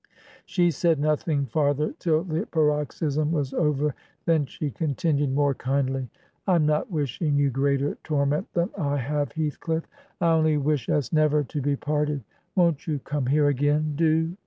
She said nothing farther till the paroxysm was over ; then she continued more kindly — 'Vm not wishing you greater torment than I have, Heathcliff. I only wish us never to be parted. ... Won't you come here again? Do!'